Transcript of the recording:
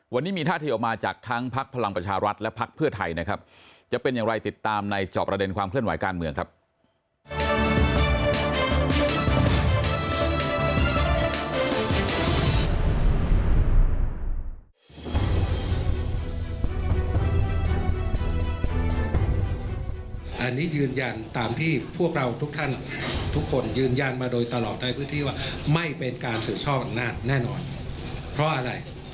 วันนี้มีท่าทีออกมาจากทั้งพักพลังประชารัฐและพักเพื่อไทยนะครับจะเป็นอย่างไรติดตามในจอบประเด็นความเคลื่อนไหวการเมืองครับ